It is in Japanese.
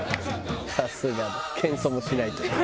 「さすが」謙遜もしないという。